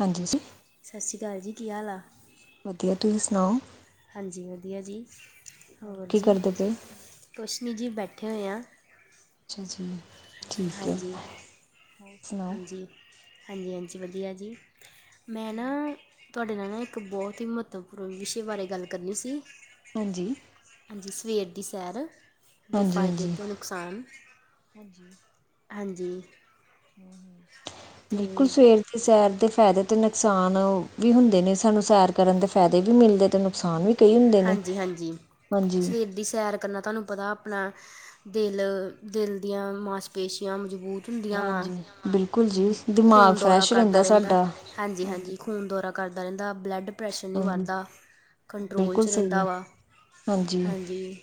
ਹਾਂਜੀ ਜੀ। ਸਤਿ ਸ਼੍ਰੀ ਅਕਾਲ ਜੀ, ਕੀ ਹਾਲ ਆ? ਵਧੀਆ, ਤੁਸੀਂ ਸੁਣਾਓ? ਹਾਂਜੀ ਵਧੀਆ ਜੀ, ਹੋਰ ਕੀ ਜੀ, ਕਰਦੇ ਪਏ ਕੁਛ ਨਹੀਂ ਜੀ ਬੈਠੇ ਹੋਏ ਹਾਂ। ਅੱਛਾ ਜੀ, ਠੀਕ ਐ। ਹਾਂਜੀ ਹਾਂਜੀ ਹਾਂਜੀ ਹਾਂਜੀ, ਵਧੀਆ ਜੀ ਮੈਂ ਨਾ ਤੁਹਾਡੇ ਨਾਲ ਨਾ ਇੱਕ ਬਹੁਤ ਹੀ ਮਹੱਤਵਪੂਰਨ ਵਿਸ਼ੇ ਬਾਰੇ ਗੱਲ ਕਰਨੀ ਸੀ। ਹਾਂਜੀ। ਹਾਂਜੀ, ਸਵੇਰ ਦੀ ਸੈਰ ਦੇ ਹਾਂਜੀ ਫਾਇਦੇ ਹਾਂਜੀ ਅਤੇ ਨੁਕਸਾਨ ਹਾਂਜੀ। ਹਾਂਜੀ। ਅਤੇ ਬਿਲਕੁਲ ਸਵੇਰ ਸੈਰ ਦੇ ਫ਼ਾਇਦੇ ਤੇ ਨੁਕਸਾਨ ਵੀ ਹੁੰਦੇ ਨੇ, ਸਾਨੂੰ ਸੈਰ ਕਰਨ ਦੇ ਫਾਇਦੇ ਵੀ ਮਿਲਦੇ ਤੇ ਨੁਕਸਾਨ ਵੀ ਕਈ ਹੁੰਦੇ ਨੇ ਹਾਂਜੀ ਹਾਂਜੀ, ਹਾਂਜੀ ਸਵੇਰ ਦੀ ਸੈਰ ਕਨ ਨਾ ਤੁਹਾਨੂੰ ਪਤਾ, ਆਪ ਦਿਲ ਦਿਲ ਦੀ ਮਾਪੇਸ਼ੀਆਂ ਮਜ਼ਬੂਤ ਹੁੰਦੀਆਂ ਵਾਂ, ਹਾਂਜੀ ਬਿਲਕੁਲ ਜੀ ਦਿਮਾਗ ਖੂਨ ਦੌਰਾ ਫਰੈਸ਼ ਕਰਦਾ ਰਹਿੰਦਾ, ਸਾਡਾ ਹਾਂਜੀ ਹਾਂਜੀ। ਖੂਨ ਦੌਰਾ ਕਰਦਾ ਰਹਿੰਦਾ, ਬੁਲੱਡ ਪਰੈਸ਼ਰ ਨੀ ਵੱਧ ਹਾਂਜੀ ਦਾ, ਕੰਟਰੋਲ ਬਿਲਕੁਲ 'ਚ ਰ ਸਹੀ ਰਹਿੰਦਾ ਹੈ ਵਾ, ਹਾਂਜੀ।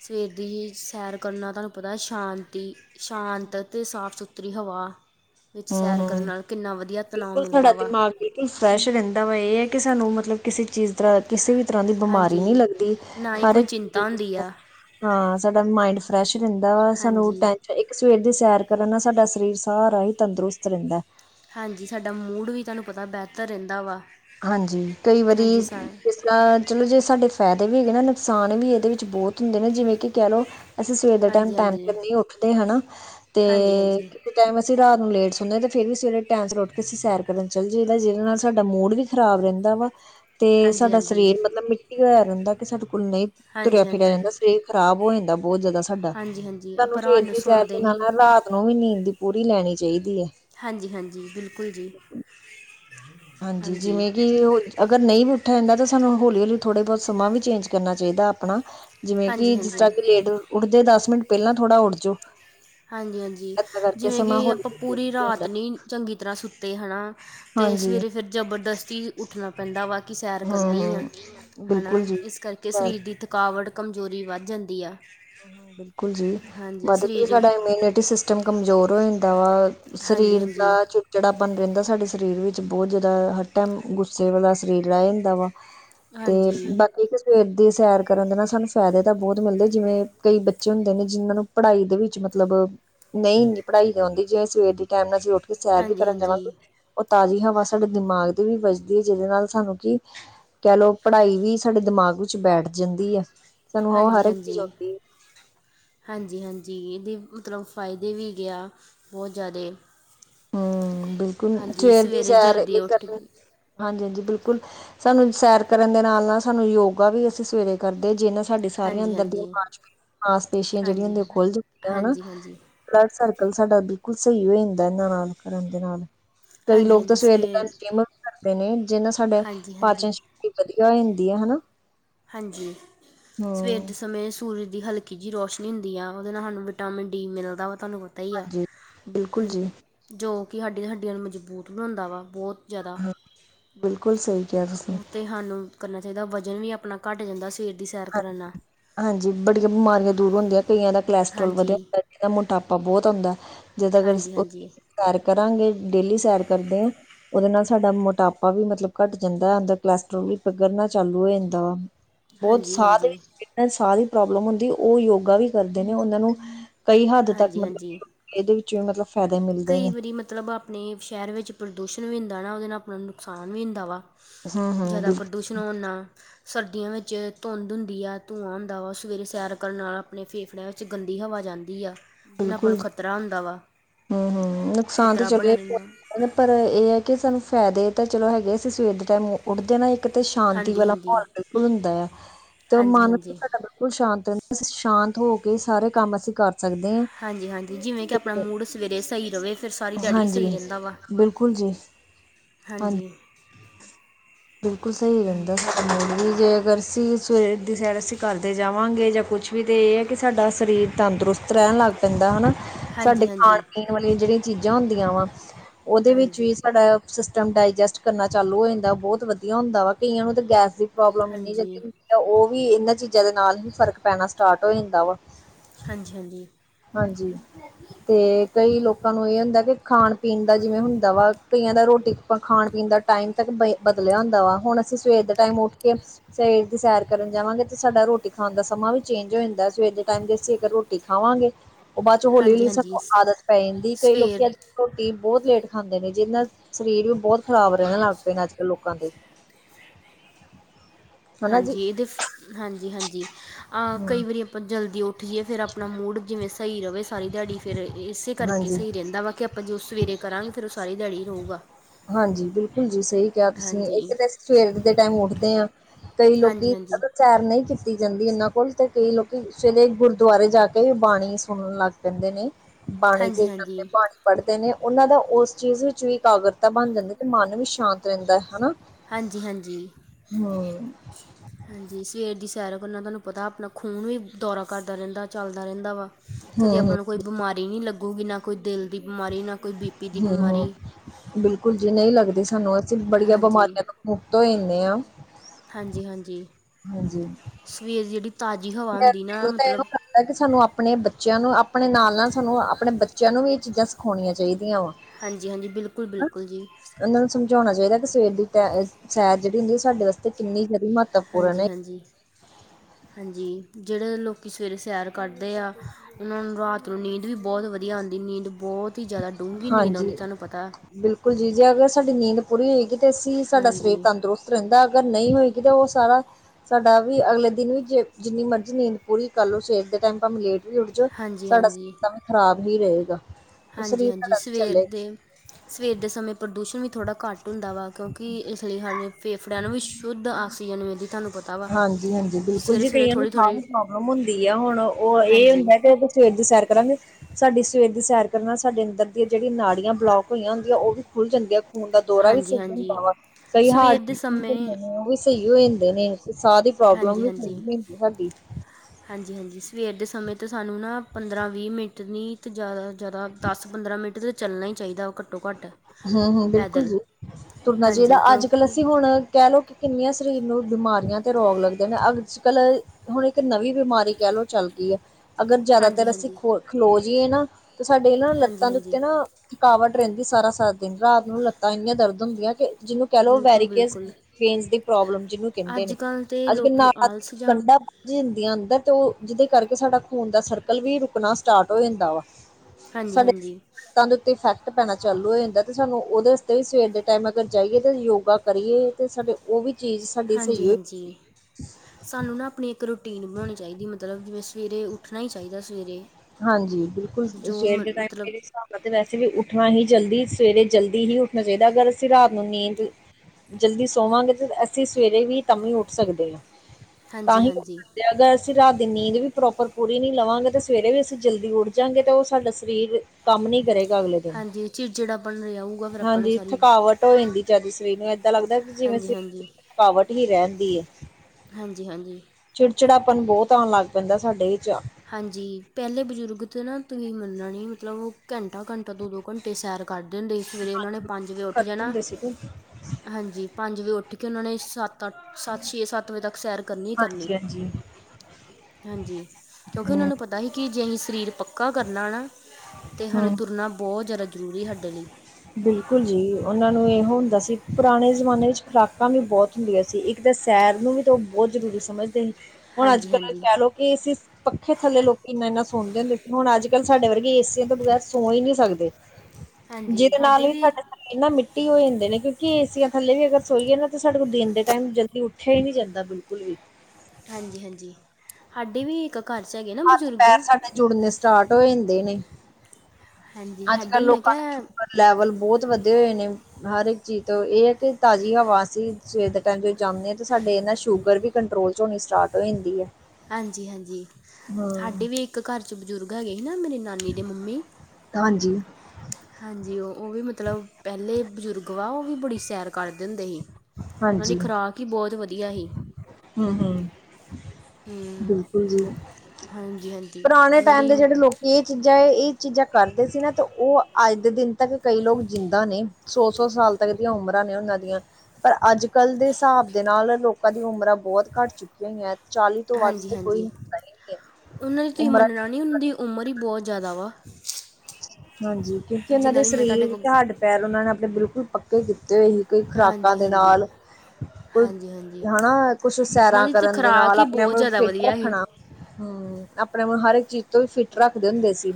ਸਵੇਰ ਦੀ ਸੈਰ ਕਰਨਾ, ਤੁਹਾਨੂੰ ਪਤਾ ਸ਼ਾਂਤੀ ਸ਼ਾਂਤ ਅਤੇ ਸਾਫ ਸੁਥਰੀ ਹਵਾ ਵਿੱਚ ਹਮ ਸੈਰ ਕਰਨ ਹਮ ਨਾਲ ਕਿੰਨਾ ਵਧੀਆ ਤਣਾਅ ਬਿਲਕੁਲ ਸਾਡਾ ਮਿਲਦਾ ਵਾ। ਦਿਮਾਗ ਬਿਲਕੁਲ ਫਰੈਸ਼ ਰਹਿੰਦਾ ਵਾ, ਇਹ ਹੈ ਕਿ ਸਾਨੂੰ ਮਤਲਬ ਕਿਸੇ ਚੀਜ਼ ਤਰ ਕਿਸੇ ਵੀ ਤਰ੍ਹਾਂ ਦੀ ਬਿਮਾਰੀ ਹਾਂਜੀ ਨੀ ਲੱਗਦੀ, ਨਾ ਹੀ ਹਰ ਕੋਈ ਇੱਕ ਚਿੰਤਾ ਹੁੰਦੀ ਆ ਹਾਂ ਸਾਡਾ ਮਾਇੰਡ ਫਰੈਸ਼ ਰਹਿੰਦਾ ਵਾ, ਸਾਨੂੰ ਹਾਂਜੀ ਟੈਸ਼ ਇੱਕ ਸਵੇਰ ਦੀ ਸੈਰ ਕਰਨ ਨਾਲ ਸਾਡਾ ਸਰੀਰ ਸਾਰਾ ਹੀ ਤੰਦਰੁਸਤ ਰਹਿੰਦਾ। ਹਾਂਜੀ, ਸਾਡਾ ਮੂਡ ਵੀ ਤੁਹਾਨੂੰ ਪਤਾ ਬਿਹਤਰ ਰਹਿੰਦਾ ਵਾ। ਹਾਂਜੀ ਕਈ ਵਾਰੀ ਹਾਂਜੀ ਸਾ ਅਸ ਅ ਚਲੋ ਜੇ ਸਾਡੇ ਫ਼ਾਇਦੇ ਵੀ ਹੈਗੇ ਨਾ ਨੁਕਸਾਨ ਵੀ ਇਹਦੇ ਵਿੱਚ ਬਹੁਤ ਹੁੰਦੇ ਨੇ ਜਿਵੇਂ ਕਿ ਕਹਿ ਲਓ ਅਸੀਂ ਸਵੇਰ ਦੇ ਟਾਈਮ ਹਾਂਜੀ ਟਾਈਮ ਹਾਂਜੀ ਤੇ ਨਹੀਂ ਉੱਠਦੇ ਹੈਾ ਹਾਂਜੀ ਹਾਂਜੀ ਤੇ ਹਾਂਜੀ ਟਾਈਮ ਅਸੀਂ ਰਾਤ ਨੂੰ ਲੇਟ ਸੁਣਦੇ ਫਿਰ ਵੀ ਸਵੇਰੇ ਟਾਈਮ ਚ ਉੱਠ ਕੇ ਅਸੀਂ ਸੈਰ ਕਰਨ ਚੱਲ ਜਏਦਾ ਜਿਹਦੇ ਨਾਲ ਸਾਡਾ ਮੂਡ ਵੀ ਖ਼ਰਾਬ ਰਹਿੰਦਾ ਵਾ ਤੇ ਹਾਂਜੀ ਸਾਡਾ ਸਰੀਰ ਮਤਲਬ ਮਿੱਟੀ ਹੋਇਆ ਰਹਿੰਦਾ ਕਿ ਸਾਡੇ ਕੋਲ ਨਹੀਂ ਤੁਰਿਆ ਹਾਂਜੀ ਫਿਰਿਆ ਹਾਂਜੀ ਜਾਂਦਾ ਸਰੀਰ ਖ਼ਰਾਬ ਹੋ ਜਾਂਦਾ ਬਹੁਤ ਜ਼ਿਆਦਾ ਸਾਡਾ ਹਾਂਜੀ ਹਾਂਜੀ ਸਾਨੂੰ ਆਪਾਂ ਰਾਤ ਸਵੇਰ ਨੂੰ ਦੀ ਸੈਰ ਸੌਂਦੇ ਦੇ ਨਹੀਂ ਨਾਲ ਨ ਵੀ ਨੀਂਦ ਦੀ ਪੂਰੀ ਲੈਣੀ ਚਾਹੀਦੀ ਹੈ ਹਾਂਜੀ ਹਾਂਜੀ ਬਿਲਕੁਲ ਜੀ ਹਾਂਜੀ ਜਿਵੇਂ ਕਿ ਉਹ ਅਗਰ ਨਹੀਂ ਵੀ ਉੱਠਿਆ ਜਾਂਦਾ ਤਾਂ ਸਾਨੂੰ ਹੌਲੀ ਹੌਲੀ ਥੋੜੇ ਬਹੁਤ ਸਮਾਂ ਵੀ ਚੇਂਜ ਕਰਨਾ ਚਾਹੀਦਾ ਆਪਣਾ ਜਿਵੇਂ ਹਾਂਜੀ ਕਿ ਜਿਸ ਹਾਂਜੀ ਤਰ੍ਹਾਂ ਕਿ ਲੇਟ ਉੱਠਦੇ ਦਸ ਮਿੰਟ ਪਹਿਲਾਂ ਥੋੜਾ ਉੱਠ ਜੋ ਹਾਂਜੀ ਹਾਂਜੀ ਜਿਵੇਂ ਕਿ ਹੌਲੀ ਆਪਾਂ ਹੌਲੀ ਪੂਰੀ ਚੇਂਜ ਹੁੰਦਾ। ਰਾਤ ਨਹੀਂ ਚੰਗੀ ਤਰ੍ਹਾਂ ਸੁੱਤੇ ਹੈ ਨਾ ਤੇ ਹਾਂਜੀ ਸਵੇਰੇ ਫੇਰ ਜਬਰਦਸਤੀ ਉੱਠਣਾ ਪੈਂਦਾ ਵਾ ਕਿ ਸੈਰ ਹੂੰ ਕਰਨੀ ਆ ਹੂੰ ਹੈ ਨਾ ਬਿਲਕੁਲ ਇਸ ਕਰਕੇ ਜੀ ਸਰੀਰ ਦੀ ਥਕਾਵਟ ਕਮਜ਼ੋਰੀ ਵੱਧ ਜਾਂਦੀ ਆ ਬਿਲਕੁਲ ਜੀ ਹਾਂਜੀ ਮਦਦ ਹੀ ਸਰੀਰ ਸਾਡਾ ਇਮਿਊਨਿਟੀ ਸਿਸਟਮ ਕਮਜ਼ੋਰ ਹੋ ਜਾਂਦਾ ਵਾ ਹਾਂਜੀ ਸਰੀਰ ਦਾ ਹਾਂਜੀ ਚਿੜਚਿੜਾਪਨ ਰਹਿੰਦਾ ਸਾਡੇ ਸਰੀਰ ਵਿੱਚ ਬਹੁਤ ਜ਼ਿਆਦਾ ਹਰ ਟਾਈਮ ਗੁੱਸੇ ਵਾਲਾ ਸਰੀਰ ਰਹਿ ਜਾਂਦਾ ਵਾ ਤੇ ਹਾਂਜੀ ਬਾਕੀ ਸਵੇਰ ਦੀ ਸੈਰ ਕਰਨ ਦੇ ਨਾਲ ਸਾਨੂੰ ਫਾਇਦੇ ਤਾਂ ਬਹੁਤ ਮਿਲਦੇ ਜਿਵੇਂ ਕਈ ਬੱਚੇ ਹੁੰਦੇ ਨੇ ਜਿਹਨਾਂ ਨੂੰ ਪੜ੍ਹਾਈ ਦੇ ਵਿੱਚ ਮਤਲਬ ਨਹੀਂ ਪੜ੍ਹਾਈ ਦੇ ਆਉਂਦੀ ਜਿਵੇਂ ਸਵੇਰ ਦੇ ਟਾਈਮ ਨਾਲ ਅਂ ਉੱਠ ਕੇ ਸੈਰ ਵੀ ਹਾਂਜੀ ਹਾਂਜੀ ਕਰਨ ਜਾਵਾਂਗੇ ਉਹ ਤਾਜ਼ੀ ਹਵਾ ਸਾਡੇ ਦਿਮਾਗ ਦੇ ਵੀ ਵੱਜਦੀ ਜਿਹਦੇ ਨਾਲ ਸਾਨੂੰ ਕਿ ਕਹਿ ਲਓ ਪੜ੍ਹਾਈ ਵੀ ਸਾਡੇ ਦਿਮਾਗ ਵਿੱਚ ਬੈਠ ਜਾਂਦੀ ਐ ਹਾਂਜੀ ਹਾਂਜੀ ਹਾਂਜੀ ਹਾਂਜੀ ਇਹਦੇ ਮਤਲਬ ਫਾਇਦੇ ਵੀ ਗਿਆ ਬਹੁਤ ਜ਼ਿਆਦੇ ਹੂੰ ਬਿਲਕੁਲ ਸਵੇਰ ਦੀ ਸਵੇਰੇ ਸੈਰ ਜਲਦੀ ਉੱਠ ਹਾਂਜੀ ਹਾਂਜੀ ਬਿਲਕੁਲ ਸਾਨੂੰ ਸੈਰ ਕਰਨ ਦੇ ਨਾਲ ਨਾਲ ਸਾਨੂੰ ਯੋਗਾ ਵੀ ਅਸੀਂ ਸਵੇਰੇ ਕਰਦੇ ਜਿਹਨਾਂ ਸਾਡੇ ਸਾਰੀਆਂ ਹਾਂਜੀ ਅੰਦਰ ਦੀਆਂ ਹਾਂਜੀ ਮਾਸਪੇਸ਼ੀਆਂ ਜਿਹੜੀਆਂ ਹਾਂਜੀ ਹੁੰਦੀਆਂ ਉਹ ਖੁੱਲ ਜਾਂਦੀਆਂ ਹਨਾ ਹਾਂਜੀ ਹਾਂਜੀ ਹਾਂਜੀ ਬਲੱਡ ਸਰਕਲ ਸਾਡਾ ਬਿਲਕੁਲ ਸਹੀ ਹੋ ਜਾਂਦਾ ਇਹਨਾਂ ਨਾਲ ਕਰਨ ਦੇ ਨਾਲ ਕਈ ਲੋਕ ਤਾਂ ਸਵੇਰ ਦੇ ਫੇਮ ਕਰਦੇ ਨੇ ਜਿਹਨਾਂ ਸਾਡੇ ਹਾਂਜੀ ਹਾਂਜੀ ਪਾਚਨ ਵਧੀਆ ਹੋ ਜਾਂਦੀ ਆ ਹਨਾ ਹਾਂਜੀ ਸਵੇਰ ਹੂੰ ਦੇ ਸਮੇਂ ਸੂਰਜ ਦੀ ਹਲਕੀ ਜੀ ਰੋਸ਼ਨੀ ਹੁੰਦੀ ਉਹਦੇ ਨਾਲ ਸਾਨੂੰ ਵਿਟਾਮਿਨ ਡੀ ਮਿਲਦਾ ਵਾ ਤੁਹਾਨੂੰ ਪਤਾ ਪਤਾ ਹੀ ਆ ਹਾਂਜੀ ਬਿਲਕੁਲ ਹਾਂ ਜੀ ਜੋ ਕਿ ਸਾਡੀ ਸਾਡੀਆਂ ਨੂੰ ਮਜ਼ਬੂਤ ਬਨਉਂਦਾ ਵਾ ਬਹੁਤ ਜ਼ਿਆਦਾ ਹਾਂ ਬਿਲਕੁਲ ਸਹੀ ਕਿਹਾ ਤੁਸੀਂ ਉਹ ਹਾਂ ਤੇ ਸਾਨੂੰ ਕਰਨਾ ਚਾਹੀਦਾ ਵਜ਼ਨ ਵੀ ਆਪਣਾ ਘੱਟ ਜਾਂਦਾ ਸਵੇਰ ਦੀ ਸੈਰ ਕਰਨ ਨਾਲ ਹਾਂਜੀ ਬੜੀਆਂ ਬਿਮਾਰੀਆਂ ਦੂਰ ਹੁੰਦੀਆਂ ਕਈਆਂ ਦਾ ਕੋਲੈਸਟਰ੍ਰੋਲ ਹਾਂਜੀ ਵਧਿਆ ਹੁੰਦਾ ਮੋਟਾਪਾ ਬਹੁਤ ਹੁੰਦਾ ਹਾਂਜੀ ਹਾਂਜੀ ਸੈਰ ਕਰਾਂਗੇ ਡੇਲੀ ਸੈਰ ਕਰਦੇ ਹ ਉਹਦੇ ਨਾਲ ਸਾਡਾ ਮੋਟਾਪਾ ਵੀ ਮਤਲਬ ਘੱਟ ਜਾਂਦਾ ਅੰਦਰ ਕੋਲੈਸਟਰੋਲ ਵੀ ਪੰਗਰਨਾ ਚਾਲੂ ਹੋ ਜਾਂਦਾ ਵਾ ਬਹੁਤ ਹਾਂਜੀ ਸਾਹ ਹਾਂਜੀ ਦੇ ਸਾਹ ਦੀ ਪ੍ਰੋਬਲਮ ਹੁੰਦੀ ਉਹ ਯੋਗਾ ਵੀ ਕਰਦੇ ਨੇ ਉਹਨਾਂ ਨੂੰ ਕਈ ਹੱਦ ਤੱਕ ਹਾਂਜੀ ਹਾਂਜੀ ਮਤਲਬ ਇਹਦੇ ਵਿੱਚ ਵੀ ਮਤਲਬ ਫ਼ਾਇਦੇ ਮਿਲਦੇ ਨੇ ਦੀ ਮਤਲਬ ਆਪ ਆਪਣੇ ਸ਼ਹਿਰ ਵਿੱਚ ਪ੍ਰਦੂਸ਼ਣ ਵੀ ਹੁੰਦਾ ਨਾ ਉਹਦੇ ਨਾਲ ਆਪਣਾ ਨੁਕਸਾਨ ਵੀ ਹੁੰਦਾ ਵਾ ਹੂੰ ਹੂੰ ਜਾਦਾ ਬਿਲਕੁਲ ਪ੍ਰਦੂਸ਼ਣ ਹੋਨਾ ਸਰਦੀਆਂ ਵਿੱਚ ਧੁੰਦ ਹੁੰਦੀ ਆ ਧੂੰਆਂ ਹੁੰਦਾ ਵਾ ਉਹ ਸਵੇਰੇ ਸੈਰ ਕਰਨ ਨਾਲ ਆਪਣੇ ਫੇਫੜਿਆਂ ਵਿੱਚ 'ਚ ਗੰਦੀ ਹਵਾ ਜਾਂਦੀ ਆ ਅਤੇ ਨਾਲ ਆਪਾਂ ਬਿਲਕੁਲ ਨੂੰ ਖਤਰਾ ਹੁੰਦਾ ਵਾ ਹੂੰ ਹੂੰ ਨੁਕਸਾਨ ਤਾਂ ਖਤਰਾ ਬਣਿਆ ਰਹਿੰਦਾ ਚੱਲੋ ਪਰ ਇਹ ਹੈ ਕਿ ਸਾਨੂੰ ਫ਼ਾਇਦੇ ਤਾਂ ਚਲੋ ਹੈਗੇ ਅਸੀਂ ਸਵੇਰ ਦੇ ਟਾਈਮ ਉੱਠਦੇ ਨਾ ਇੱਕ ਕਿਤੇ ਸ਼ਾਂਤੀ ਹਾਂਜੀ ਵਾਲਾ ਹਾਂਜੀ ਮਾਹੌਲ ਬਿਲਕੁਲ ਹੁੰਦਾ ਆ ਤੇ ਉਹ ਹਾਂਜੀ ਹਾਂਜੀ ਮਨਡਾ ਬਿਲਕੁਲ ਸ਼ਾਂਤ ਰਹਿ ਸ਼ਾਂਤ ਹੋ ਕੇ ਸਾਰੇ ਕੰਮ ਅਸੀਂ ਕਰ ਸਕਦੇ ਹਾਂ ਹਾਂਜੀ ਹਾਂਜੀ ਜਿਵੇਂ ਕਿ ਆਪਣਾ ਤੇ ਮੂਡ ਸਵੇਰੇ ਸਹੀ ਰਹੇ ਫਿਰ ਸਾਰੀ ਦਿਹਾੜੀ ਸਹੀ ਹਾਂਜੀ ਰਹਿੰਦਾ ਵਾ। ਬਿਲਕੁਲ ਜੀ ਹਾਂਜੀ। ਬਿਲਕੁਲ ਸਹੀ ਰਹਿੰਦਾ ਹੈ। [inaudible] ਜੇ ਅਗਰ ਅਸੀਂ ਸਵੇਰ ਦੀ ਸੈਰ ਅਸੀਂ ਕਰਦੇ ਜਾਵਾਂਗੇ ਜਾਂ ਕੁਛ ਵੀ ਤਾਂ ਇਹ ਹੈ ਕਿ ਸਾਡਾ ਸਰੀਰ ਤੰਦਰੁਸਤ। [unintelligible] ਲੱਗ ਪੈਂਦਾ ਹਨਾ ਹਾਂਜੀ ਸਾਡੇ ਖਾਣ ਹਾਂਜੀ ਪੀਣ ਵਾਲੀਆਂ ਜਿਹੜੀਆਂ ਚੀਜ਼ਾਂ ਹੁੰਦੀਆਂ ਵਾ। ਉਹਦੇ ਵਿੱਚ ਵੀ ਹਾਂਜੀ ਸਾਡਾ। ਸਿਸਟਮ ਡਾਇਜੈਸਟ ਕਰਨਾ ਚਾਲੂ ਹੋ ਜਾਂਦਾ ਬਹੁਤ ਵਧੀਆ ਹੁੰਦਾ ਵਾ ਕਈਆਂ ਨੂੰ ਤਾਂ ਗੈਸ ਦੀ। ਪ੍ਰੋਬਲਮ ਹੁੰਦੀ ਹਾਂਜੀ ਹਾਂਜੀ ਆ ਉਹ ਵੀ ਇਹਨਾਂ ਚੀਜ਼ਾਂ ਦੇ ਨਾਲ ਹੀ ਫਰਕ ਪੈਣਾ ਸਟਾਰਟ ਹੋ ਜਾਂਦਾ ਵਾ। ਹਾਂਜੀ ਹਾਂਜੀ। ਹਾਂਜੀ ਤੇ ਕਈ ਲੋਕਾਂ ਨੂੰ ਇਹ ਹੁੰਦਾ ਕਿ ਖਾਣ। ਪੀਣ ਦਾ ਜਿਵੇਂ ਹੁੰਦਾ ਵਾ ਕਈਆਂ ਦਾ ਰੋਟੀ। ਖਾਣ-ਪੀਣ ਦਾ ਟਾਈਮ ਤੱਕ ਬ ਬਦਲਿਆ ਹੁੰਦਾ ਵਾ ਹੁਣ ਅਸੀਂ ਸਵੇਰ ਦੇ ਟਾਈਮ ਉੱਠ ਕੇ ਸਵੇਰ ਦੀ ਸੈਰ ਕਰਨ ਜਾਵਾਂਗੇ, ਤੇ ਸਾਡਾ ਰੋਟੀ ਖਾਣ ਦਾ ਸਮਾਂ ਵੀ ਚੇਂਜ ਹੋ ਜਾਂਦਾ ਸਵੇਰ ਦੇ ਟਾਈਮ ਦੀ ਅਸੀਂ ਅਗਰ ਰੋਟੀ ਖਾਵਾਂਗੇ, ਉਹ ਬਾਅਦ ਚ ਹਾਂਜੀ ਹੌਲੀ-ਹੌਲੀ ਹਾਂਜੀ ਸਾਨੂੰ ਸ ਆਦਤ ਪੈ ਜਾਂਦੀ ਕਈ ਲੋਕੀ ਸਵੇਰ ਅੱਜ‌ ਰੋਟੀ ਬਹੁਤ ਲੇਟ ਖਾਂਦੇ ਨੇ ਜਿਹਦੇ ਨਾਲ ਸਰੀਰ ਵੀ ਬਹੁਤ ਖ਼ਰਾਬ ਰਹਿਣ ਲੱਗ ਪਏ ਨੇ ਅੱਜ-ਕੱਲ੍ਹ ਲੋਕਾਂ ਦੇ। ਤੇ [inaudible] ਹਨਾ ਜੀ ਹਾਂਜੀ, ਇਹਦੇ ਹਾਂਜੀ-ਹਾਂਜੀ, ਆ ਹਮ ਕਈ ਵਾਰੀ ਆਪਾਂ ਜਲਦੀ ਉੱਠ ਉੱਠੀ ਇਏ ਫਿਰ ਆਪਣਾ ਮੂਡ ਜਿਵੇਂ ਸਹੀ ਰਹੇ ਸਾਰੀ ਦਿਹਾੜੀ ਫਿਰ ਇਸੇ ਕਰਕੇ ਹਾਂਜੀ ਸਹੀ ਰਹਿੰਦਾ ਵਾ ਕਿ ਆਪਾ ਜੋ ਉਹ ਸਵੇਰੇ ਕਰਾਂਗੇ ਫਿਰ ਉਹ ਸਾਰੀ ਦਿਹਾੜੀ ਰਹੂਗਾ। ਹਾਂਜੀ, ਬਿਲਕੁਲ ਜੀ ਸਹੀ ਕਿਹਾ ਤੁਸੀਂ ਹਾਂਜੀ ਇੱਕ ਤਾਂ ਅਸੀਂ ਸਵੇਰ ਦੇ ਟਾਈਮ ਉੱਠਦੇ ਹਾਂ। ਕਈ ਹਾਂਜੀ ਲੋਕੀ। ਹਾਂਜੀ ਸੈਰ ਨਹੀਂ ਕੀਤੀ ਜਾਂਦੀ ਇਹਨਾਂ ਕੋਲ ਅਤੇ ਕਈ ਲੋਕ ਸਵੇਰੇ ਗੁਰਦੁਆਰੇ ਜਾ ਕੇ ਬਾਣੀ ਸੁਣਨ ਲੱਗ ਕਹਿੰਦੇ ਨੇ ਬਾਣੀ ਜ ਹਾਂਜੀ ਆਪ ਹਾਂਜੀ ਬਾਣੀ ਪੜ੍ਹਦੇ ਨੇ ਉਹਨਾਂ ਦਾ ਉਸ ਚੀਜ਼ ਵਿੱਚ ਵੀ ਏਕਾਗਰ ਮਨ ਜਾਂਦੇ ਤੇ ਮਨ ਵੀ ਸ਼ਾਂਤ ਰਹਿੰਦਾ ਹੈਨਾ। ਹਾਂਜੀ-ਹਾਂਜੀ। ਹਾਂਜੀ ਸਵੇਰ ਦੀ ਸੈਰ ਕਰਨਾ ਤੁਹਾਨੂੰ ਪਤਾ ਆਪਣਾ ਖੂਨ ਵੀ ਦੌਰਾ ਕਰਦਾ ਰਹਿੰਦਾ, ਚੱਲਦਾ ਰਹਿੰਦਾ ਵਾ। ਹੂੰ, ਕਦੇ ਆਪਾਂ ਹੂੰ, ਨੂੰ ਕੋਈ ਬਿਮਾਰੀ ਨਹੀਂ ਲੱਗੂਗੀ ਨਾ ਕੋਈ ਦਿਲ ਦੀ ਬਿਮਾਰੀ, ਨਾ ਕੋਈ ਬੀ ਪੀ ਦੀ ਹੂੰ। ਹੂੰ। ਬਿਮਾਰੀ। ਬਿਲਕੁਲ ਜੀ, ਨਹੀਂ ਲੱਗਦੇ ਸਾਨੂੰ। ਬੜੀਆਂ ਹਾਂਜੀ ਬਿਮਾਰੀਆਂ ਤੱਕ ਮੁਕਤ ਹੋਨਿਆ, ਹਾਂਜੀ ਹਾਂਜੀ ਹਾਂਜੀ। ਸਵੇਰ ਦੀ ਜਿਹੜੀ ਤਾਜ਼ੀ ਹਵਾ ਹੁੰਦੀ ਨਾ ਮੈਨੂੰ ਤਾਂ ਇਹੋ ਮਤਲਬ। ਲੱਗਦਾ ਕਿ ਸਾਨੂੰ ਆਪਣੇ ਬੱਚਿਆਂ ਨੂੰ ਆਪਣੇ ਨਾਲ-ਨਾਲ ਸਾਨੂੰ ਆਪਣੇ ਬੱਚਿਆਂ ਨੂੰ ਵੀ ਇਹ ਚੀਜ਼ਾਂ ਸਿਖਾਉਣੀਆਂ ਚਾਹੀਦੀਆਂ ਵਾ। ਹਾਂਜੀ-ਹਾਂਜੀ, ਬਿਲਕੁਲ-ਬਿਲਕੁਲ ਜੀ। ਉਹਨਾਂ ਨੂੰ ਸਮਝਾਉਣਾ ਚਾਹੀਦਾ ਕਿ ਸਵੇਰ ਦੀ ਟੈਮ ਸੈਰ ਜਿਹੜੀ ਹੁੰਦੀ ਉਹ ਸਾਡੇ ਵਾਸਤੇ। ਕਿੰਨੀ ਗਰੀਮਤ ਹਾਂਜੀ-ਹਾਂਜੀ-ਹਾਂਜੀ, ਜਿਹੜੇ ਲੋਕ ਸਵੇਰੇ ਸੈਰ ਕਰਦੇ ਆ। ਉਹਨਾਂ ਨੂੰ ਰਾਤ ਨੂੰ ਨੀਂਦ ਵੀ ਬਹੁਤ ਵਧੀਆ ਆਉਂਦੀ, ਨੀਂਦ ਬਹੁਤ ਹੀ ਜ਼ਿਆਦਾ ਡੂੰਘੀ ਨੀਂਦ ਆਉਂਦੀ ਹਾਂਜੀ ਤੁਹਾਨੂੰ ਪਤਾ ਐ। ਬਿਲਕੁਲ ਜੀ, ਜੀ ਅਗਰ ਸਾਡੀ ਨੀਂਦ ਪੂਰੀ ਹੋਏਗੀ ਤੇ ਅਸੀਂ ਸਾਡਾ ਸਰੀਰ ਹਾਂਜੀ ਤੰਦਰੁਸਤ ਰਹਿੰਦਾ ਦਾ ਅਗਰ ਨਹੀਂ ਹੋਏਗੀ ਤਾਂ ਉਹ ਸਾਰਾ ਸਾਡਾ ਵੀ ਅਗਲੇ ਦਿਨ ਵੀ ਜੇ ਜਿੰਨੀ ਮਰਜ਼ੀ ਨੀਂਦ ਪੂਰੀ ਕਰ ਲਓ ਸਵੇਰ ਦੇ ਟਾਈਮ ਭਾਵੇ ਲੇਟ ਛੇਤੀ ਉੱਠ ਜੋ ਹਾਂਜੀ ਸਾਡਾ ਸਰੀਰ ਤਾਂ ਵੀ ਖ਼ਰਾਬ ਹੀ ਰਹੇਗਾ। ਉਹ ਸਰੀਰ ਹਾਂਜੀ-ਹਾਂਜੀ, ਸਾਡਾ ਸਵੇਰ ਚੱਲੇ ਦੇ ਸਵੇਰ ਦੇ ਸਮੇਂ ਪ੍ਰਦੂਸ਼ਣ ਵੀ ਥੋੜ੍ਹਾ ਘੱਟ ਹੁੰਦਾ ਵਾ ਕਿਉਂਕਿ ਇਸ ਲਈ ਸਾਡੇ ਫੇਫੜਿਆਂ ਨੂੰ ਵੀ ਸ਼ੁੱਧ ਆਕਸੀਜਨ ਮਿਲਦੀ ਤੁਹਾਨੂੰ ਪਤਾ। ਵਾ ਹਾਂਜੀ-ਹਾਂਜੀ, ਬਿਲਕੁਲ ਸਵੇਰੇ ਜੀ ਸਵੇਰੇ ਕਈਆਂ ਨੂੰ ਥੋੜ੍ਹੀ ਸਾ ਦੀ ਥੋੜ੍ਹੀ ਪ੍ਰੋਬਲਮ ਹੁੰਦੀ ਹੈ, ਹੁਣ ਉਹ ਇਹ ਹਾਂਜੀ ਹੁੰਦਾ ਕਿ ਸਵੇਰ ਦੀ ਸੈਰ। ਕਰਾਂਗੇ। ਸਾਡੀ ਸਵੇਰ ਦੀ ਸੈਰ ਕਰਨ ਨਾਲ ਸਾਡੇ ਅੰਦਰ ਦੀਆਂ ਜਿਹੜੀਆਂ ਨਾੜੀਆਂ ਬਲੋਕ ਹੋਈਆਂ ਹੁੰਦੀਆਂ ਉਹ ਵੀ ਖੁੱਲ ਜਾਂਦੀਆਂ। ਖੂਨ ਦਾ ਦੌਰਾ ਵੀ ਹਾਂਜੀ ਸੁਹੀ ਹਾਂਜੀ ਹੁੰਦਾ ਵਾ ਕਈ ਹਾਰਡ ਸਵੇਰ ਦੇ ਸਮੇਂ ਉਹ ਵੀ। ਸਹੀ ਹੋ ਜਾਂਦੇ ਨੇ ਸਾ ਦੀ ਪ੍ਰੋਬਲਮ ਵੀ ਘਟ ਹੋ ਜਾਂਦੀ ਸਾਡੀ। ਹਾਂਜੀ-ਹਾਂਜੀ ਸਵੇਰ ਦੇ ਸਮੇਂ ਤਾਂ ਸਾਨੂੰ ਨਾ ਪੰਦਰਾਂ-ਵੀਹ ਮਿੰਟ ਨੀ ਤਾਂ ਜ਼ਿਆਦਾ ਜ਼ਿਆਦਾ ਦਸ-ਪੰਦਰਾਂ ਮਿੰਟ ਤਾਂ ਚੱਲਣਾ ਹੀ ਚਾਹੀਦਾ ਘੱਟੋ-ਘੱਟ। ਹੂੰ-ਹੂੰ ਬਿਲਕੁਲ ਜੀ, ਤੁਰਨਾ ਚਾਹੀਦਾ ਹਾਂਜੀ ਅੱਜ-ਕੱਲ੍ਹ ਕਿਉਂਕਿ ਅਸੀਂ ਹੁਣ ਕਹਿ ਲਓ ਕਿ ਕਿੰਨੀਆਂ ਸਰੀਰ ਨੂੰ ਬਿਮਾਰੀਆਂ ਤੇ ਰੋਗ ਲੱਗਦੇ ਨੇ ਅੱਜ-ਕੱਲ੍ਹ ਹੁਣ ਇੱਕ ਨਵੀਂ ਬਿਮਾਰੀ ਕਹਿ ਲਓ ਚੱਲ ਗਈ ਹੈ। ਅਗਰ ਹਾਂਜੀ ਜ਼ਿਆਦਾਤਰ ਅਸੀਂ ਹਾਂਜੀ ਖ ਖਲੋ ਜਾਈਏ ਨਾ ਤੇ ਸਾਡੇ ਨਾ ਹਾਂਜੀ ਲੱਤਾਂ ਦੇ ਹਾਂਜੀ ਉੱਤੇ ਨਾ ਥਕਾਵਟ ਰਹਿੰਦੀ ਸਾਰਾ-ਸਾਰਾ ਦਿਨ ਰਾਤ ਨੂੰ ਲੱਤਾਂ ਇੰਨੀਆਂ ਦਰਦ ਹੁੰਦੀਆਂ ਕਿ ਜਿਹਨੂੰ ਕਹਿ ਲਓ ਬਿਲਕੁਲ ਵੈਰੀਕੇਜ ਬਿਲਕੁਲ ਪੇਨ ਦੀ ਪ੍ਰੋਬਲਮ ਜਿਹਨੂੰ ਕਹਿੰਦੇ ਅੱਜ ਨੇ ਕੱਲ੍ਹ ਤਾਂ ਅੱਜ ਲੋਕ ਕਿੰਨਾ ਆਲਸ ਜਾਂ ਗੰਦਾ ਜਿਣਦੀਆਂ ਅੰਦਰ ਤੇ ਉਹ ਜਿਹਦੇ ਕਰਕੇ ਸਾਡਾ ਖੂਨ ਦਾ ਸਰਕਲ ਵੀ ਰੁਕਣਾ ਸਟਾਰਟ ਹੋ ਜਾਂਦਾ ਵਾ। ਹਾਂਜੀ ਸਾਡੇ ਹਾਂਜੀ ਹਤਾਂ ਦੇ ਉੱਤੇ ਇਫੈਕਟ ਪੈਣਾ ਚਾਲੂ ਹੋ ਜਾਂਦਾ। ਸਾਨੂੰ ਉਹਦੇ ਵੀ ਸਵੇਰ ਦੇ ਟਾਈਮ ਅਗਰ ਜਾਈਏ ਤੇ ਯੋਗਾ ਕਰੀਏ ਤੇ ਸਾਡੇ ਉਹ ਵੀ ਚੀਜ਼ ਸਾਡੀ ਸਹਿ ਹੋਏ ਜੀ। ਸਾਨੂੰ ਨਾ ਆਪਣੀ ਇੱਕ ਰੂਟੀਨ ਬਣਾਉਣੀ ਚਾਹੀਦੀ ਮਤਲਬ ਜਿਵੇਂ ਸਵੇਰੇ ਉੱਠਣਾ ਹੀ ਚਾਹੀਦਾ ਸਵੇਰੇ ਹਾਂਜੀ। ਬਿਲਕੁਲ ਜੋ ਸਵੇਰ ਮ ਦੇ ਟਮ ਮੇਰੇ ਮਤਲਬ ਹਿਸਾਬ ਤੇ ਵੈਸੇ ਵੀ ਉੱਠਣਾ ਹੀ ਜਲਦੀ ਸਵੇਰੇ ਜਲਦੀ ਹੀ ਉੱਠਣਾ ਚਾਹੀਦਾ ਅਗਰ ਅਸੀਂ ਰਾਤ ਨੂੰ ਨੀਂਦ ਜਲਦੀ ਸੋਵਾਂਗੇ ਤੇ ਅਸੀਂ ਸਵੇਰੇ ਵੀ ਤਾਵੀ ਉੱਠ ਸਕਦੇ ਹਾਂ। ਤਾਂ ਹਾਂਜੀ ਹੀ ਹਾਂਜੀ ਉਹਦੇ ਅਗਰ ਅਸੀਂ ਰਾਤ ਦੀ ਨੀਂਦ ਵੀ ਪ੍ਰੋਪਰ ਪੂਰੀ ਨੀ ਲਵਾਂਗੇ ਤੇ ਸਵੇਰੇ ਵੀ ਅਸੀਂ ਜਲਦੀ ਉੱਡ ਜਾਂਗੇ ਤਾਂ ਉਹ ਸਾਡਾ ਸਰੀਰ ਕੰਮ ਨੀ ਕਰੇਗਾ। ਅਗਲੇ ਦਿਨ ਹਾਂਜੀ, ਚਿੜਚਿੜਾ ਪਣ ਰਿਹਾ ਉਹ। ਹਾਂਜੀ, ਥਕਾਵਟ। ਹੋ ਜਾਂਦੀ ਜਦ ਸਰੀਰ ਨੂੰ ਏਦਾਂ ਲੱਗਦਾ ਕਿ ਜਿਵੇਂ ਹਾਂਜੀ ਸਰੀਰ ਹਾਂਜੀ ਦੀ ਥਕਾਵਟ ਹੀ ਰਹਿੰਦੀ ਹੈ। ਹਾਂਜੀ- ਹਾਂਜੀ। ਚਿੜਚਿੜਾਪਨ ਬਹੁਤ ਆਉਣ ਲੱਗ ਪੈਂਦਾ ਸਾਡੇ ਵਿੱਚ। ਹਾਂਜੀ। ਪਹਿਲੇ ਬਜ਼ੁਰਗ ਤੇ ਨਾ ਤੁਸੀਂ ਮੰਨਣਾ ਨਹੀਂ ਮਤਲਬ ਉਹ ਘੰਟਾ- ਘੰਟਾ, ਦੋ- ਦੋ ਘੰਟੇ ਸੈਰ ਕਰਦੇ ਹੁੰਦੇ ਸਵੇਰੇ ਉਹਨਾਂ ਨੇ ਹਾਂਜੀ, ਪੰਜ ਵਜੇ ਉੱਠ ਕਰਦੇ ਜਾਣਾ। ਹੁੰਦੇ ਸੀਗੇ ਹਾਂਜੀ। ਪੰਜ ਵਜੇ ਉੱਠ ਕੇ ਉਹਨਾਂ ਨੇ ਸੱਤ ਤਾਂ ਸੱਤ- ਛੇ -ਸੱਤ ਵਜੇ ਤੱਕ ਸੈਰ ਕਰਨੀ- ਕਰਨੀ। ਹਾਂਜੀ ਹਾਂਜੀ ਹਾਂਜੀ। ਕਿਉਂਕਿ ਉਹਨਾਂ ਹਮ ਨੂੰ ਪਤਾ ਹੀ ਕਿ ਜੇ ਅਸੀਂ ਸਰੀਰ ਪੱਕਾ ਕਰਨਾ ਨਾ। ਤਾਂ ਸਾਨੂੰ ਹਮ ਤੁਰਨਾ ਬਹੁਤ ਜ਼ਿਆਦਾ ਜ਼ਰੂਰੀ ਸਾਡੇ ਲਈ। ਬਿਲਕੁਲ ਜੀ ਉਹਨਾਂ ਨੂੰ ਇਹੋ ਹੁੰਦਾ ਸੀ ਪੁਰਾਣੇ ਜ਼ਮਾਨੇ ਵਿੱਚ ਖੁਰਾਕਾਂ ਵੀ ਬਹੁਤ ਹੁੰਦੀਆਂ ਸੀ। ਇੱਕ ਤਾਂ ਸੈਰ ਨੂੰ ਵੀ ਤਾਂ ਉਹ ਬਹੁਤ ਜ਼ਰੂਰੀ ਸਮਝਦੇ ਸੀ। ਹੁਣ ਅੱਜ ਹਾਂਜੀ ਕੱਲ ਹਾਂਜੀ ਕਹਿ ਲਓ ਕਿ ਅਸੀਂ ਪੱਖੇ ਥੱਲੇ ਲੋਕੀ ਇਨਾ- ਇਨਾ ਸੋਦੇ ਹੁੰਦੇ ਸੀ। ਹੁਣ ਅੱਜ ਕੱਲ੍ਹ ਸਾਡੇ ਵਰਗੇ ਏ ਸੀਆਂ ਤੋਂ ਬਗੈਰ ਸੋ ਹੀ ਨਹੀਂ ਸਕਦੇ। ਹਾਂਜੀ ਜਿਹਦੇ ਨਾਲ ਸਾਡੇ ਵੀ ਸਾਡਾ ਇਨਾ ਮਿੱਟੀ ਹੋ ਜਾਂਦੇ ਨੇ ਕਿਉਂਕਿ ਏ ਸੀਆਂ ਥੱਲੇ ਵੀ ਅਗਰ ਸੋਈਏ ਨਾ ਤਾਂ ਸਾਡੇ ਕੋਲ ਦਿਨ ਦੇ ਟਾਈਮ ਜਲ ਉੱਠਿਆ ਹੀ ਨਹੀਂ ਜਾਂਦਾ। ਬਿਲਕੁਲ ਵੀ ਹਾਂਜੀ- ਹਾਂਜੀ ਹਾਡੀ ਵੀ ਇੱਕ ਘਰ ਚ' ਹੈ। ਗ ਹੱਥ- ਪੈਰ ਸਾਡੇ ਜੁੜਨੇ ਸਟਾਰਟ ਹੋ ਜਾਂਦੇ ਨੇ। ਹਾਂਜੀ ਅੱਜ ਸਾਡੇ ਕੱਲ੍ਹ ਵੀ ਮੈਂ ਲੋਕਾਂ ਦੇ ਕਿਹਾ ਸ਼ੂਗਰ ਲੈਵਲ ਬਹੁਤ ਵਧੇ ਹੋਏ ਨੇ। ਹਰ ਇੱਕ ਚੀਜ਼ ਤੋਂ ਇਹ ਹੈ ਕਿ ਤਾਜ਼ੀ ਹਵਾ ਅਸੀਂ। ਸਵੇਰ ਦੇ ਟਾਈਮ ਜ ਜਾਂਦੇ ਹਾਂ ਤੇ ਸਾਡੇ ਇਹ ਨਾ ਸ਼ੂਗਰ ਵੀ ਕੰਟਰੋਲ 'ਚ ਹੋਣੀ ਸਟਾਰਟ ਹੋ ਜਾਂਦੀ ਹੈ। ਹਾਂਜੀ- ਹਾਂਜੀ ਹੂੰ ਹਾਡੇ ਵੀ ਇੱਕ ਘਰ ਚ' ਬਜ਼ੁਰਗ ਹੈਗੇ ਸੀ ਨਾ ਮੇਰੇ ਨਾਨ ਮ ਦੇ ਮੰਮੀ। ਹਾਂਜੀ, ਹਾਂਜੀ, ਉਹ- ਉਹ ਵੀ ਮਤਲਬ ਪਹਿਲੇ ਬਜ਼ੁਰਗ ਵਾ। ਉਹ ਵੀ ਬੜੀ ਸੈਰ ਕਰਦੇ ਹੁੰਦੇ ਸੀ। ਉਹ ਦੀ ਖੁਰਾਕ ਹੀ ਬਹੁਤ ਵਧੀਆ ਹੀ। ਹਮ- ਹਮ ਹੂੰ ਬਿਲਕੁਲ ਜੀ। ਹਾਂਜੀ ਹਾਂਜੀ ਪੁਰਾਣੇ ਉਹਨਾਂ ਟਾਈਮ ਦੀ ਦੇ ਜਿਹੜੇ ਲੋਕ ਇਹ ਚੀਜ਼ਾਂ, ਇਹ ਚੀਜ਼ਾਂ ਕਰਦੇ ਸੀ ਨਾ ਤੇ ਉਹ ਅੱਜ ਦੇ ਦਿਨ ਤੱਕ ਕਈ ਲੋਕ ਜਿੰਦਾ ਨੇ। ਸੌ- ਸੌ ਸਾਲ ਤੱਕ ਦੀਆਂ ਉਮਰਾਂ ਨੇ ਉਹਨਾਂ ਦੀਆਂ। ਪਰ ਅੱਜ ਕੱਲ੍ਹ ਦੇ ਹਿਸਾਬ ਦੇ ਨਾਲ ਲੋਕ ਲੋਕਾਂ ਦੀ ਉਮਰਾਂ ਬਹੁਤ ਘੱਟ ਚੁੱਕੀਆਂ ਹੋਈਆਂ। ਚਾਲੀ ਤੋਂ ਵੱਧ ਹਾਂਜੀ ਤੇ ਕੋਈ ਹਾਂਜੀ ਹੁੰਦਾ ਹੀ ਨਹੀਂ ਏ ਉਮਰਾਂ। ਉਹਦੀ ਉਮਰ ਹੀ ਬਹੁਤ ਜ਼ਿਆਦਾ ਵਾ। ਹਾਂਜੀ, ਕਿਉਂਕਿ ਉਹਨਾਂ ਦੇ ਜਿਨ੍ਹਾਂ ਦੀ ਮੈਂ ਤੁਹਾਡੇ ਸਰੀਰ ਕੋਲ ਤੇ ਹੱਡ ਪੈਰ ਉਹਨਾਂ ਨੇ ਆਪਣੇ ਬਿਲਕੁਲ ਪੱਕੇ ਕੀਤੇ ਹੋਏ ਸੀ। ਕਈ ਖੁਰਾਕਾਂ ਹਾਂਜੀ ਦੇ ਹਾਂਜੀ ਨਾਲ। ਕੋਈ ਹਾਂਜੀ ਹਾਂਜੀ ਹੈ ਨਾ ਕੁਛ ਉਹਨਾਂ ਸੈਰਾਂ ਦੀ ਤਾਂ ਕਰਨ ਦੇ ਖੁਰਾਕ ਨਾਲ ਹੀ ਆਪਣੇ- ਆਪ ਬਹੁਤ ਨੂੰ ਜ਼ਿਆਦਾ ਫਿੱਟ ਵਧੀਆ ਸੀ ਰੱਖਣਾ। ਹਮ, ਆਪਣੇ ਨੂੰ ਹਰ ਇੱਕ ਚੀਜ਼ ਤੋਂ ਵੀ ਫਿਟ ਰੱਖਦੇ ਹੁੰਦੇ ਸੀ।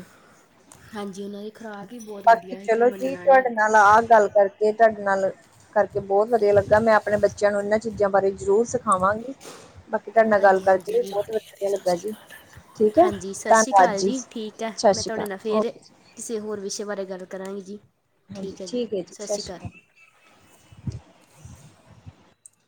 ਹਾਂਜੀ। ਉਹਨਾਂ ਦੀ ਖੁਰਾਕ ਹੀ ਬਹੁਤ ਬਾਕੀ ਵਧੀਆ ਸੀ ਤੁਸੀਂ ਚਲੋ ਜੀ, ਮੰਨਣਾ ਨਹੀਂ ਤੁਹਾਡੇ ਨਾਲ ਆਹ ਗੱਲ ਕਰਦੇ ਇਹ ਤੁਹਾਡੇ ਨਾਲ ਕਰਕੇ ਬਹੁਤ ਵਧੀਆ ਲੱਗਾ। ਮੈਂ ਆਪਣੇ ਬੱਚਿਆਂ ਨੂੰ ਇਹਨਾਂ ਚੀਜ਼ਾਂ ਬਾਰੇ ਜ਼ਰੂਰ ਸਿਖਾਵਾਂਗੀ। ਬਾਕੀ ਤੁਹਾਡੇ ਨਾਲ ਗੱਲ ਹਾਂਜੀ ਹਾਂਜੀ ਕਰਕੇ ਜੀ ਬਹੁਤ ਵਧੀਆ ਲੱਗਾ ਜੀ। ਠੀਕ ਹੈ ਹਾਂਜੀ, ਸਤਿ ਸ੍ਰੀ ਧੰਨਵਾਦ ਅਕਾਲ ਜੀ। ਠੀਕ ਹੈ, ਸਤਿ ਮੈਂ ਸ਼੍ਰੀ ਅਕਾਲ ਤੁਹਾਡੇ ਨਾਲ ਫੇਰ ਓਕੇ ਜੀ ਕਿਸੇ ਹੋਰ ਵਿਸ਼ੇ ਬਾਰੇ ਗੱਲ ਕਰਾਂਗੇ ਜੀ। ਠੀਕ ਹੈ, ਜੀ ਸਤਿ ਸ਼੍ਰੀ ਅਕਾਲ।